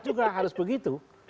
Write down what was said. juga harus begitu